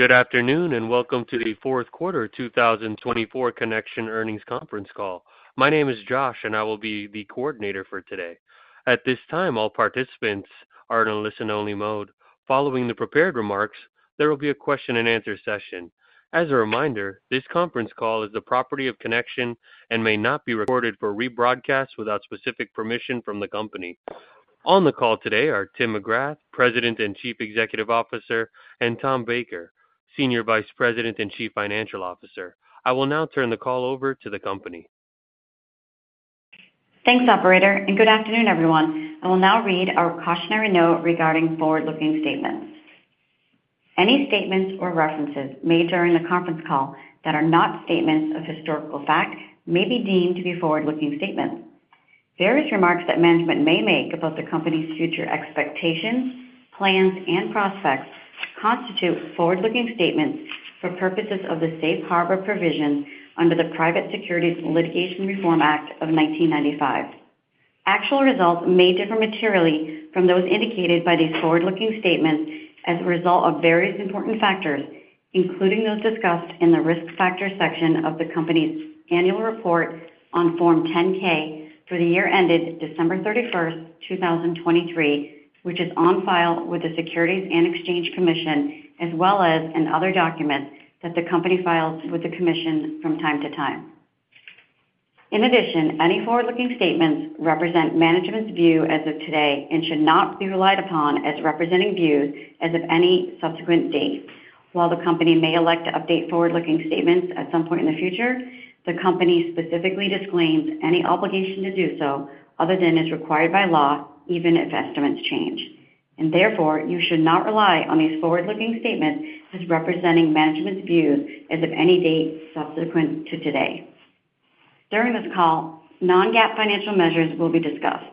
Good afternoon and welcome to the fourth quarter 2024 Connection Earnings Conference call. My name is Josh and I will be the coordinator for today. At this time, all participants are in a listen-only mode. Following the prepared remarks, there will be a question-and-answer session. As a reminder, this conference call is the property of Connection and may not be recorded for rebroadcast without specific permission from the company. On the call today are Tim McGrath, President and Chief Executive Officer, and Tom Baker, Senior Vice President and Chief Financial Officer. I will now turn the call over to the company. Thanks, Operator, and good afternoon, everyone. I will now read our cautionary note regarding forward-looking statements. Any statements or references made during the conference call that are not statements of historical fact may be deemed to be forward-looking statements. Various remarks that management may make about the company's future expectations, plans, and prospects constitute forward-looking statements for purposes of the Safe Harbor Provision under the Private Securities Litigation Reform Act of 1995. Actual results may differ materially from those indicated by these forward-looking statements as a result of various important factors, including those discussed in the risk factor section of the company's annual report on Form 10-K for the year ended December 31st, 2023, which is on file with the Securities and Exchange Commission, as well as in other documents that the company files with the Commission from time to time. In addition, any forward-looking statements represent management's view as of today and should not be relied upon as representing views as of any subsequent date. While the company may elect to update forward-looking statements at some point in the future, the company specifically disclaims any obligation to do so other than as required by law, even if estimates change, and therefore, you should not rely on these forward-looking statements as representing management's views as of any date subsequent to today. During this call, non-GAAP financial measures will be discussed.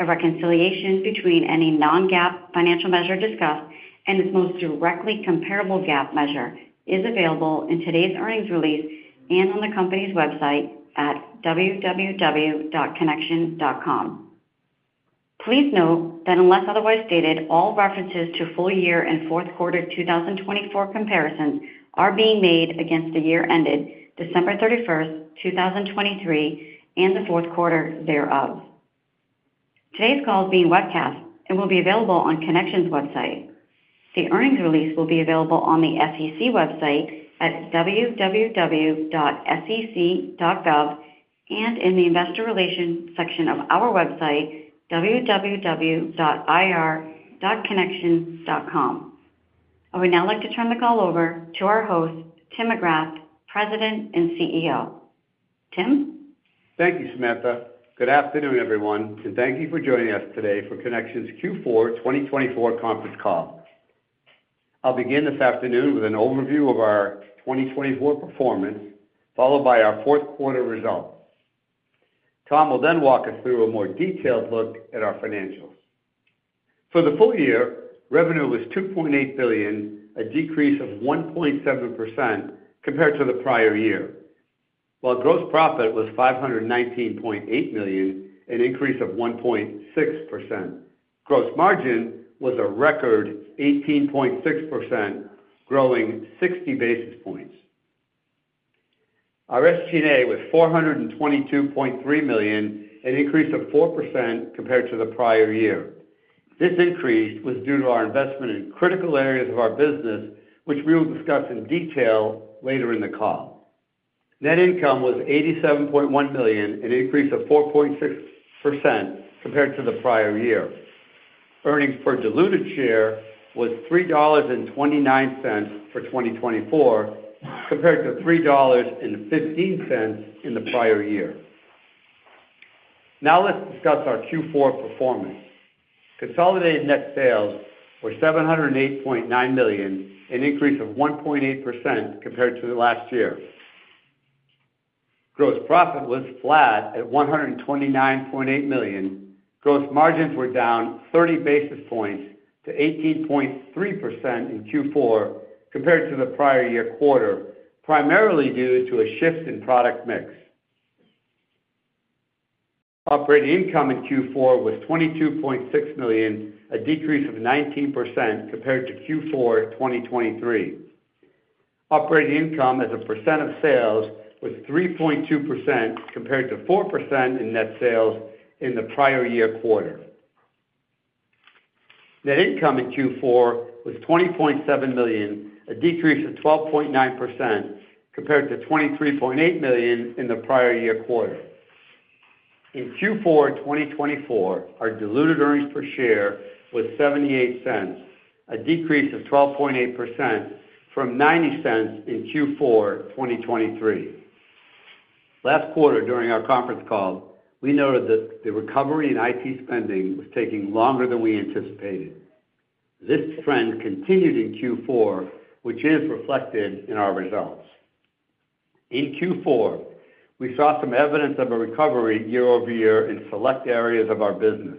A reconciliation between any non-GAAP financial measure discussed and its most directly comparable GAAP measure is available in today's earnings release and on the company's website at www.connection.com. Please note that unless otherwise stated, all references to full year and fourth quarter 2024 comparisons are being made against the year ended December 31st, 2023, and the fourth quarter thereof. Today's call is being webcast and will be available on Connection's website. The earnings release will be available on the SEC website at www.sec.gov and in the investor relations section of our website, www.ir.connection.com. I would now like to turn the call over to our host, Tim McGrath, President and CEO. Tim? Thank you, Samantha. Good afternoon, everyone, and thank you for joining us today for Connection's Q4 2024 conference call. I'll begin this afternoon with an overview of our 2024 performance, followed by our fourth quarter results. Tom will then walk us through a more detailed look at our financials. For the full year, revenue was $2.8 billion, a decrease of 1.7% compared to the prior year, while gross profit was $519.8 million, an increase of 1.6%. Gross margin was a record 18.6%, growing 60 basis points. Our SG&A was $422.3 million, an increase of 4% compared to the prior year. This increase was due to our investment in critical areas of our business, which we will discuss in detail later in the call. Net income was $87.1 million, an increase of 4.6% compared to the prior year. Earnings per diluted share was $3.29 for 2024, compared to $3.15 in the prior year. Now let's discuss our Q4 performance. Consolidated net sales were $708.9 million, an increase of 1.8% compared to last year. Gross profit was flat at $129.8 million. Gross margins were down 30 basis points to 18.3% in Q4 compared to the prior year quarter, primarily due to a shift in product mix. Operating income in Q4 was $22.6 million, a decrease of 19% compared to Q4 2023. Operating income as a % of sales was 3.2% compared to 4% in net sales in the prior year quarter. Net income in Q4 was $20.7 million, a decrease of 12.9% compared to $23.8 million in the prior year quarter. In Q4 2024, our diluted earnings per share was $0.78, a decrease of 12.8% from $0.90 in Q4 2023. Last quarter, during our conference call, we noted that the recovery in IT spending was taking longer than we anticipated. This trend continued in Q4, which is reflected in our results. In Q4, we saw some evidence of a recovery year over year in select areas of our business.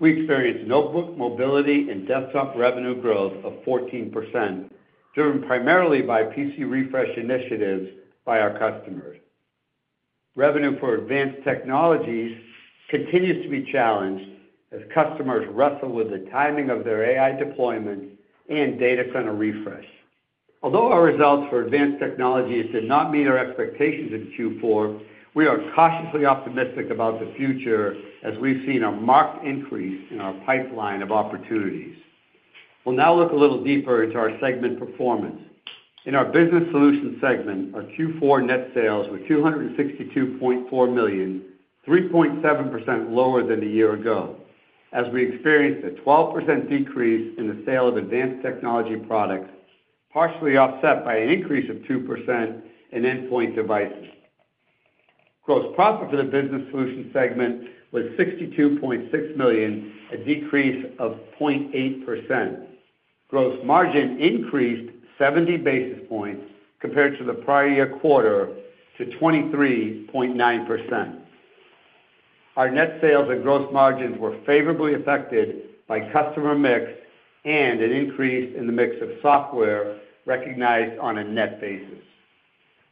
We experienced notebook mobility and desktop revenue growth of 14%, driven primarily by PC refresh initiatives by our customers. Revenue for advanced technologies continues to be challenged as customers wrestle with the timing of their AI deployment and data center refresh. Although our results for advanced technologies did not meet our expectations in Q4, we are cautiously optimistic about the future as we've seen a marked increase in our pipeline of opportunities. We'll now look a little deeper into our segment performance. In our business solutions segment, our Q4 net sales were $262.4 million, 3.7% lower than a year ago, as we experienced a 12% decrease in the sale of advanced technology products, partially offset by an increase of 2% in endpoint devices. Gross profit for the business solutions segment was $62.6 million, a decrease of 0.8%. Gross margin increased 70 basis points compared to the prior year quarter to 23.9%. Our net sales and gross margins were favorably affected by customer mix and an increase in the mix of software recognized on a net basis.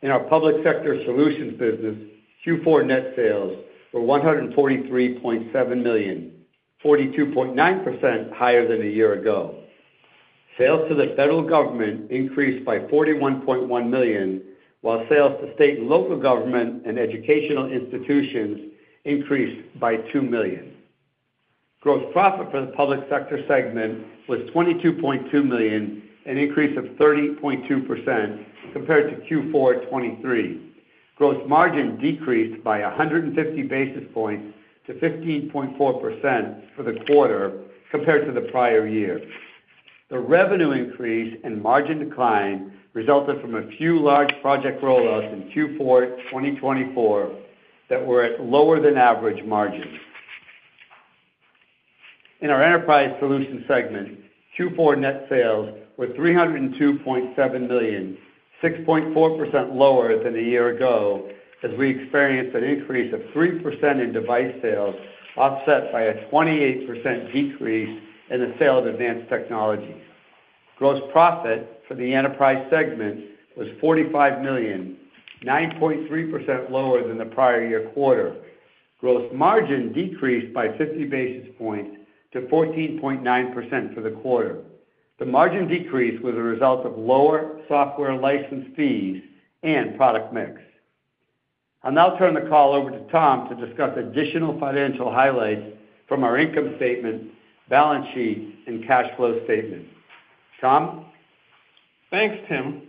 In our public sector solutions business, Q4 net sales were $143.7 million, 42.9% higher than a year ago. Sales to the federal government increased by $41.1 million, while sales to state and local government and educational institutions increased by $2 million. Gross profit for the public sector segment was $22.2 million, an increase of 30.2% compared to Q4 2023. Gross margin decreased by 150 basis points to 15.4% for the quarter compared to the prior year. The revenue increase and margin decline resulted from a few large project rollouts in Q4 2024 that were at lower-than-average margins. In our enterprise solutions segment, Q4 net sales were $302.7 million, 6.4% lower than a year ago, as we experienced an increase of 3% in device sales, offset by a 28% decrease in the sale of advanced technologies. Gross profit for the enterprise segment was $45 million, 9.3% lower than the prior year quarter. Gross margin decreased by 50 basis points to 14.9% for the quarter. The margin decrease was a result of lower software license fees and product mix. I'll now turn the call over to Tom to discuss additional financial highlights from our income statement, balance sheet, and cash flow statement. Tom? Thanks, Tim.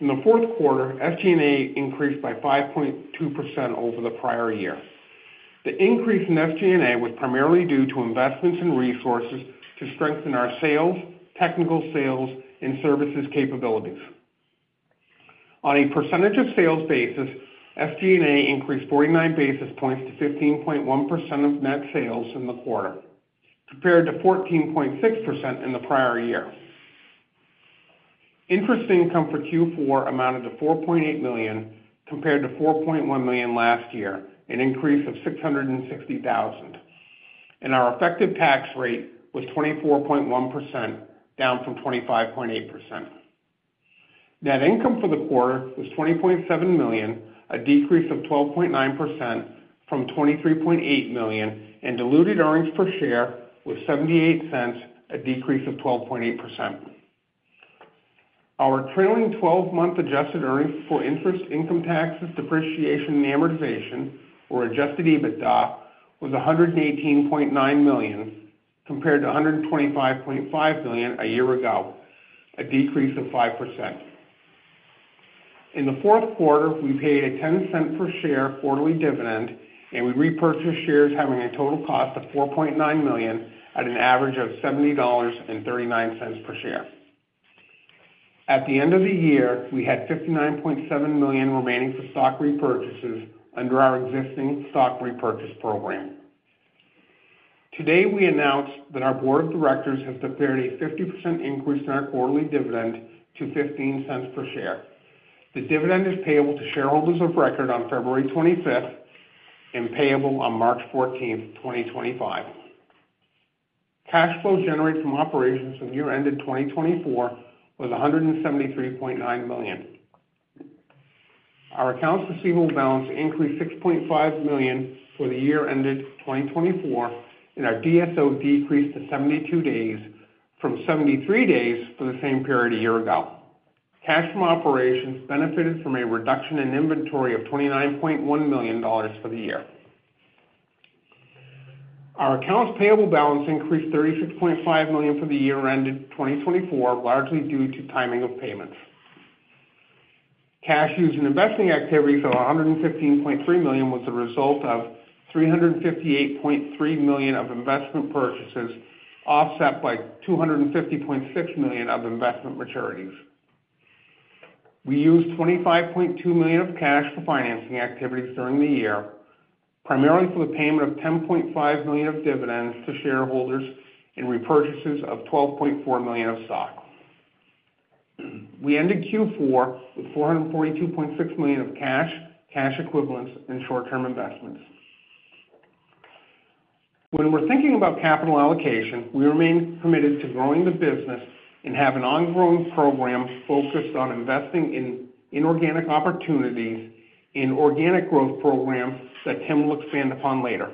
In the fourth quarter, SG&A increased by 5.2% over the prior year. The increase in SG&A was primarily due to investments in resources to strengthen our sales, technical sales, and services capabilities. On a percentage of sales basis, SG&A increased 49 basis points to 15.1% of net sales in the quarter, compared to 14.6% in the prior year. Interest income for Q4 amounted to $4.8 million compared to $4.1 million last year, an increase of $660,000, and our effective tax rate was 24.1%, down from 25.8%. Net income for the quarter was $20.7 million, a decrease of 12.9% from $23.8 million, and diluted earnings per share was $0.78, a decrease of 12.8%. Our trailing 12-month adjusted earnings for interest, income taxes, depreciation, and amortization, or Adjusted EBITDA, was $118.9 million compared to $125.5 million a year ago, a decrease of 5%. In the fourth quarter, we paid a $0.10 per share quarterly dividend, and we repurchased shares, having a total cost of $4.9 million at an average of $70.39 per share. At the end of the year, we had $59.7 million remaining for stock repurchases under our existing stock repurchase program. Today, we announced that our board of directors has declared a 50% increase in our quarterly dividend to $0.15 per share. The dividend is payable to shareholders of record on February 25th and payable on March 14th, 2025. Cash flow generated from operations from year-ended 2024 was $173.9 million. Our accounts receivable balance increased $6.5 million for the year-ended 2024, and our DSO decreased to 72 days from 73 days for the same period a year ago. Cash from operations benefited from a reduction in inventory of $29.1 million for the year. Our accounts payable balance increased $36.5 million for the year-ended 2024, largely due to timing of payments. Cash used in investing activities of $115.3 million was the result of $358.3 million of investment purchases, offset by $250.6 million of investment maturities. We used $25.2 million of cash for financing activities during the year, primarily for the payment of $10.5 million of dividends to shareholders and repurchases of $12.4 million of stock. We ended Q4 with $442.6 million of cash, cash equivalents, and short-term investments. When we're thinking about capital allocation, we remain committed to growing the business and have an ongoing program focused on investing in inorganic opportunities in organic growth programs that Tim will expand upon later.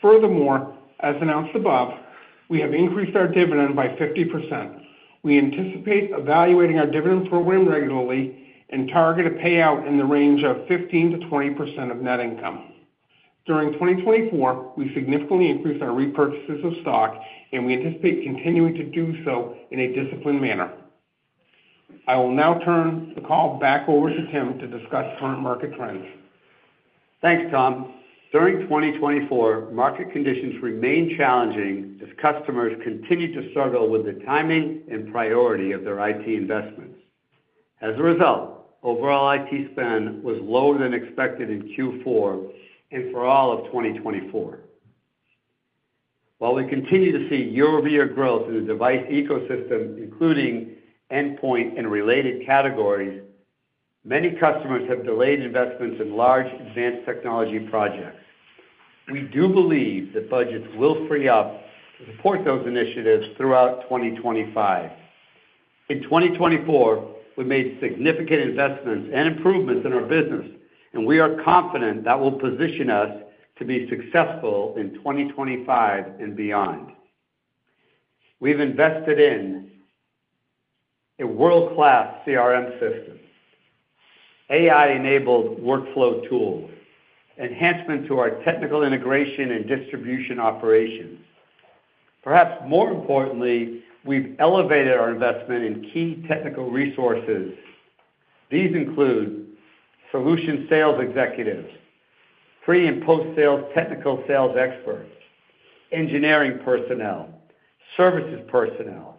Furthermore, as announced above, we have increased our dividend by 50%. We anticipate evaluating our dividend program regularly and target a payout in the range of 15%-20% of net income. During 2024, we significantly increased our repurchases of stock, and we anticipate continuing to do so in a disciplined manner. I will now turn the call back over to Tim to discuss current market trends. Thanks, Tom. During 2024, market conditions remained challenging as customers continued to struggle with the timing and priority of their IT investments. As a result, overall IT spend was lower than expected in Q4 and for all of 2024. While we continue to see year-over-year growth in the device ecosystem, including endpoint and related categories, many customers have delayed investments in large advanced technology projects. We do believe that budgets will free up to support those initiatives throughout 2025. In 2024, we made significant investments and improvements in our business, and we are confident that will position us to be successful in 2025 and beyond. We've invested in a world-class CRM system, AI-enabled workflow tools, enhancements to our technical integration and distribution operations. Perhaps more importantly, we've elevated our investment in key technical resources. These include solution sales executives, pre- and post-sales technical sales experts, engineering personnel, services personnel,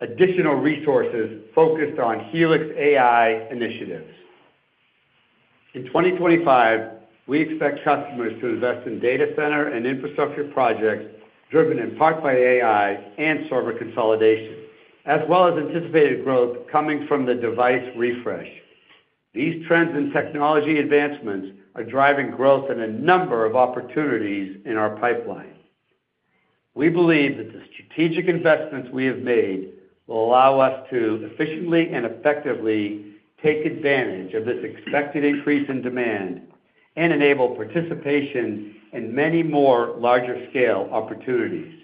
additional resources focused on Helix AI initiatives. In 2025, we expect customers to invest in data center and infrastructure projects driven in part by AI and server consolidation, as well as anticipated growth coming from the device refresh. These trends and technology advancements are driving growth in a number of opportunities in our pipeline. We believe that the strategic investments we have made will allow us to efficiently and effectively take advantage of this expected increase in demand and enable participation in many more larger-scale opportunities.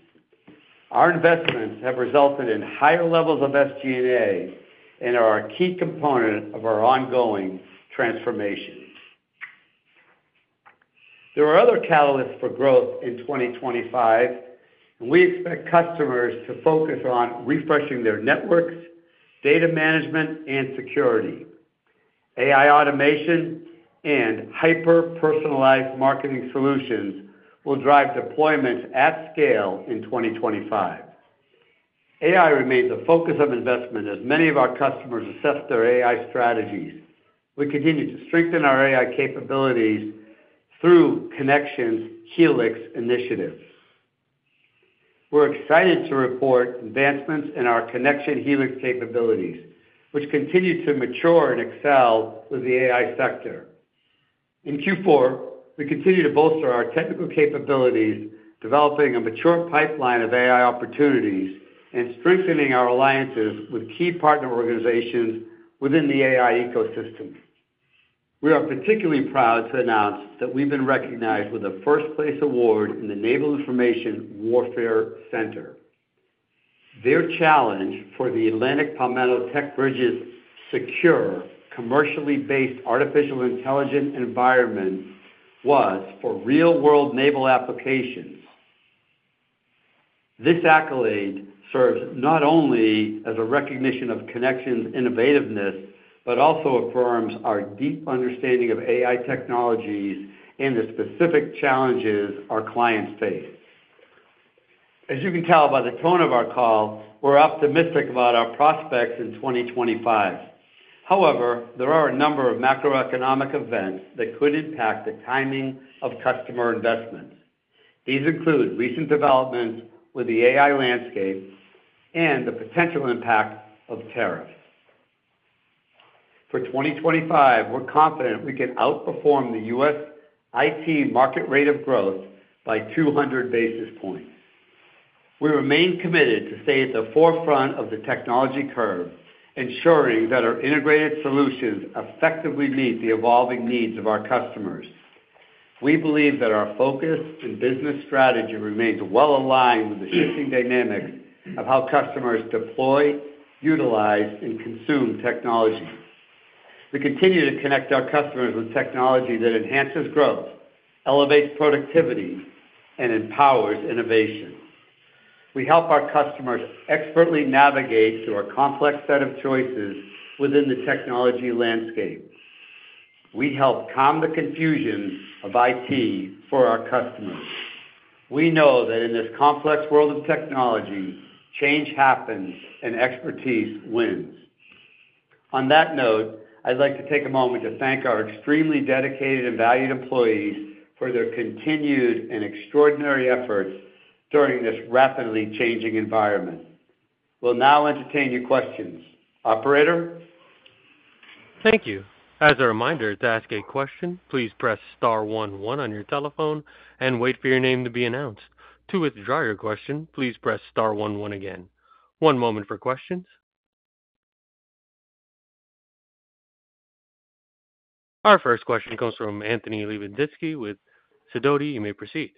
Our investments have resulted in higher levels of SG&A and are a key component of our ongoing transformation. There are other catalysts for growth in 2025, and we expect customers to focus on refreshing their networks, data management and security. AI automation and hyper-personalized marketing solutions will drive deployments at scale in 2025. AI remains a focus of investment as many of our customers assess their AI strategies. We continue to strengthen our AI capabilities through Connection's Helix initiatives. We're excited to report advancements in our Connection Helix capabilities, which continue to mature and excel with the AI sector. In Q4, we continue to bolster our technical capabilities, developing a mature pipeline of AI opportunities and strengthening our alliances with key partner organizations within the AI ecosystem. We are particularly proud to announce that we've been recognized with a first-place award in the Naval Information Warfare Center. Their challenge for the Atlantic Palmetto Tech Bridge's secure, commercially based artificial intelligence environment was for real-world naval applications. This accolade serves not only as a recognition of Connection's innovativeness, but also affirms our deep understanding of AI technologies and the specific challenges our clients face. As you can tell by the tone of our call, we're optimistic about our prospects in 2025. However, there are a number of macroeconomic events that could impact the timing of customer investments. These include recent developments with the AI landscape and the potential impact of tariffs. For 2025, we're confident we can outperform the U.S. IT market rate of growth by 200 basis points. We remain committed to stay at the forefront of the technology curve, ensuring that our integrated solutions effectively meet the evolving needs of our customers. We believe that our focus and business strategy remains well aligned with the shifting dynamics of how customers deploy, utilize, and consume technology. We continue to connect our customers with technology that enhances growth, elevates productivity, and empowers innovation. We help our customers expertly navigate through a complex set of choices within the technology landscape. We help calm the confusion of IT for our customers. We know that in this complex world of technology, change happens and expertise wins. On that note, I'd like to take a moment to thank our extremely dedicated and valued employees for their continued and extraordinary efforts during this rapidly changing environment. We'll now entertain your questions. Operator? Thank you. As a reminder, to ask a question, please press star one one one your telephone and wait for your name to be announced. To withdraw your question, please press star one one again. One moment for questions. Our first question comes from Anthony Lebidzinski with Sidoti. You may proceed.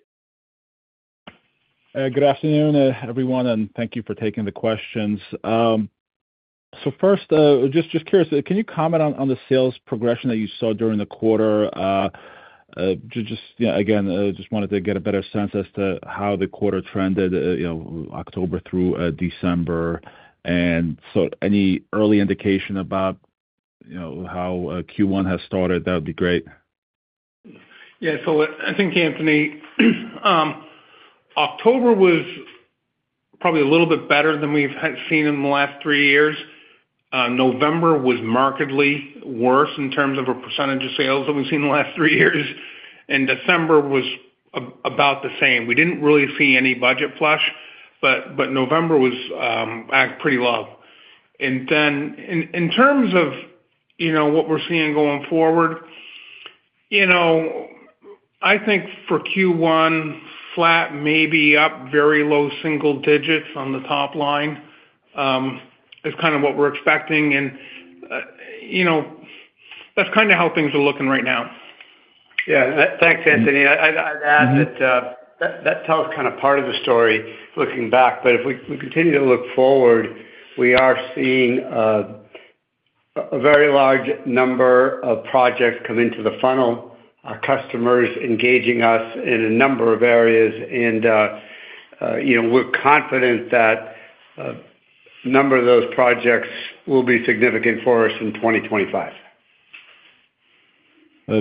Good afternoon, everyone, and thank you for taking the questions, so first, just curious, can you comment on the sales progression that you saw during the quarter? Just again, just wanted to get a better sense as to how the quarter trended October through December, and so any early indication about how Q1 has started, that would be great. Yeah, so I think, Anthony, October was probably a little bit better than we've seen in the last three years. November was markedly worse in terms of a percentage of sales that we've seen in the last three years, and December was about the same. We didn't really see any budget flush, but November was pretty low, and then in terms of what we're seeing going forward, I think for Q1, flat, maybe up very low single digits on the top line is kind of what we're expecting, and that's kind of how things are looking right now. Yeah. Thanks, Anthony. I'd add that that tells kind of part of the story looking back. But if we continue to look forward, we are seeing a very large number of projects come into the funnel, our customers engaging us in a number of areas. And we're confident that a number of those projects will be significant for us in 2025.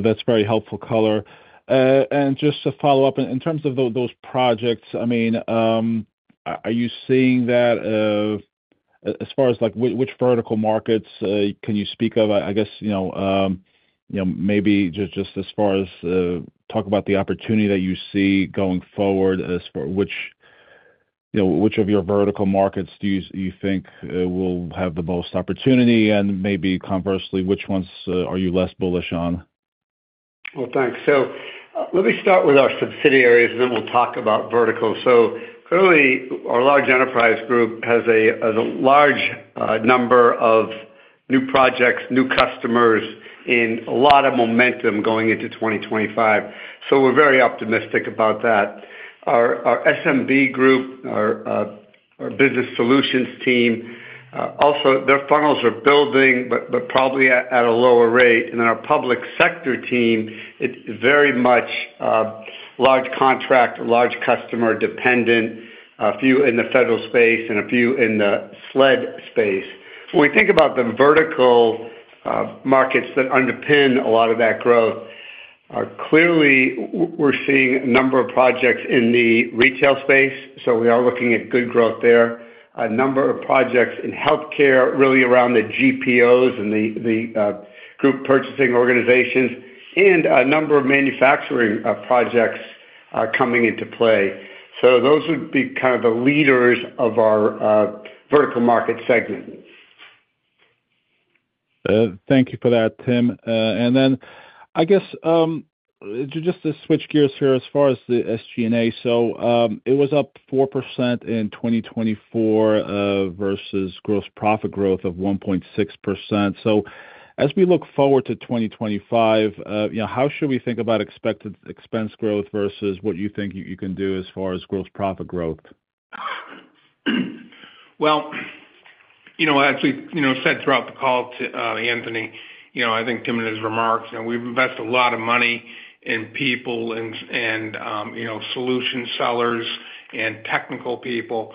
That's very helpful color. Just to follow up, in terms of those projects, I mean, are you seeing that as far as which vertical markets can you speak of? I guess maybe just as far as talk about the opportunity that you see going forward, as for which of your vertical markets do you think will have the most opportunity? And maybe conversely, which ones are you less bullish on? Well, thanks. So let me start with our subsidiaries, and then we'll talk about verticals. So clearly, our large enterprise group has a large number of new projects, new customers, and a lot of momentum going into 2025. So we're very optimistic about that. Our SMB group, our business solutions team, also their funnels are building, but probably at a lower rate. And then our public sector team, it's very much large contract, large customer dependent, a few in the federal space, and a few in the SLED space. When we think about the vertical markets that underpin a lot of that growth, clearly, we're seeing a number of projects in the retail space. So we are looking at good growth there. A number of projects in healthcare, really around the GPOs and the group purchasing organizations, and a number of manufacturing projects coming into play. Those would be kind of the leaders of our vertical market segment. Thank you for that, Tim. And then I guess just to switch gears here as far as the SG&A. So it was up 4% in 2024 versus gross profit growth of 1.6%. So as we look forward to 2025, how should we think about expected expense growth versus what you think you can do as far as gross profit growth? As we said throughout the call to Anthony, I think Tim and his remarks, we've invested a lot of money in people and solution sellers and technical people.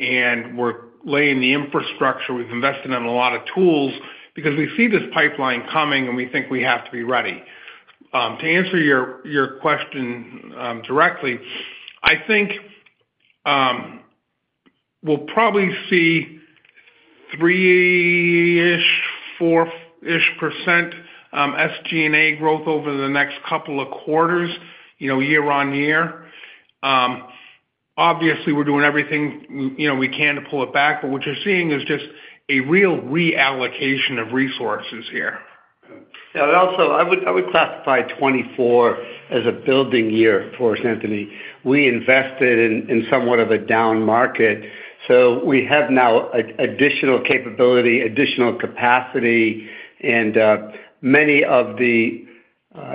We're laying the infrastructure. We've invested in a lot of tools because we see this pipeline coming, and we think we have to be ready. To answer your question directly, I think we'll probably see three-ish, four-ish% SG&A growth over the next couple of quarters, year on year. Obviously, we're doing everything we can to pull it back, but what you're seeing is just a real reallocation of resources here. Yeah. Also, I would classify 2024 as a building year for us, Anthony. We invested in somewhat of a down market. So we have now additional capability, additional capacity, and many of the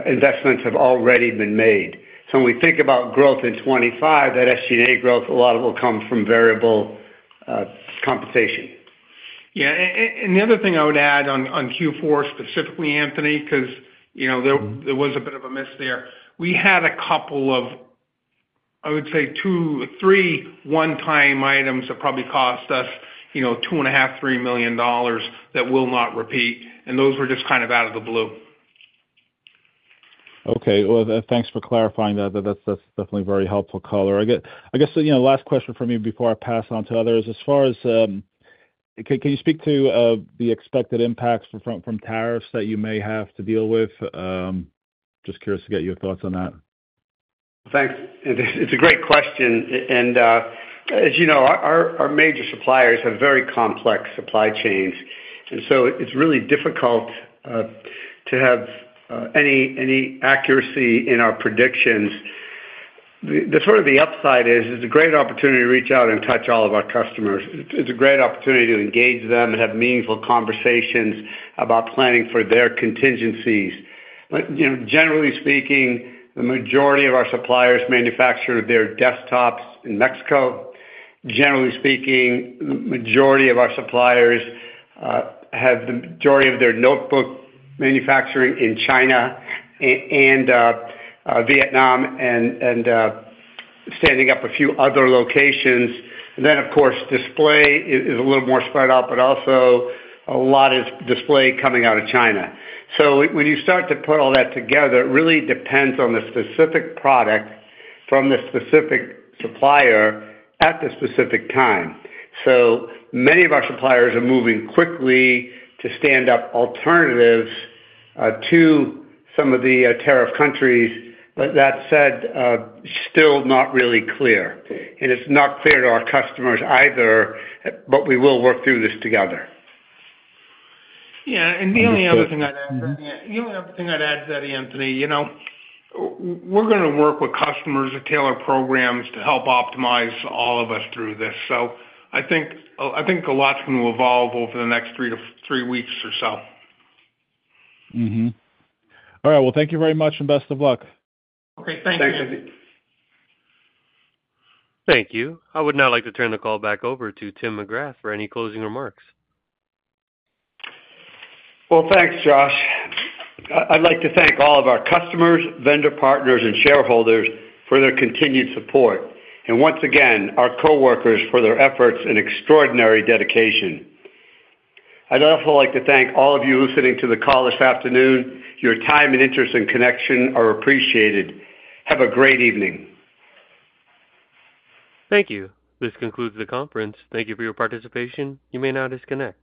investments have already been made. So when we think about growth in 2025, that SG&A growth, a lot of it will come from variable compensation. Yeah. And the other thing I would add on Q4 specifically, Anthony, because there was a bit of a miss there. We had a couple of, I would say, two or three one-time items that probably cost us $2.5 million-$3 million that will not repeat. And those were just kind of out of the blue. Okay. Well, thanks for clarifying that. That's definitely very helpful color. I guess last question for me before I pass on to others. As far as can you speak to the expected impacts from tariffs that you may have to deal with? Just curious to get your thoughts on that. Thanks. It's a great question. And as you know, our major suppliers have very complex supply chains. And so it's really difficult to have any accuracy in our predictions. The sort of upside is it's a great opportunity to reach out and touch all of our customers. It's a great opportunity to engage them and have meaningful conversations about planning for their contingencies. Generally speaking, the majority of our suppliers manufacture their desktops in Mexico. Generally speaking, the majority of our suppliers have the majority of their notebook manufacturing in China and Vietnam and standing up a few other locations. And then, of course, display is a little more spread out, but also a lot is display coming out of China. So when you start to put all that together, it really depends on the specific product from the specific supplier at the specific time. So many of our suppliers are moving quickly to stand up alternatives to some of the tariff countries. But that said, it is still not really clear. It is not clear to our customers either, but we will work through this together. Yeah. The only other thing I'd add to that, Anthony, is that we're going to work with customers at Taylor Programs to help optimize all of us through this. I think a lot is going to evolve over the next three weeks or so. All right, well, thank you very much and best of luck. Okay. Thank you. Thank you. Thank you. I would now like to turn the call back over to Tim McGrath for any closing remarks. Thanks, Josh. I'd like to thank all of our customers, vendor partners, and shareholders for their continued support, and once again, our coworkers for their efforts and extraordinary dedication. I'd also like to thank all of you listening to the call this afternoon. Your time and interest and Connection are appreciated. Have a great evening. Thank you. This concludes the conference. Thank you for your participation. You may now disconnect.